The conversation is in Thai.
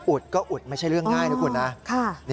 ก็อุดไม่ใช่เรื่องง่ายนะคุณนะ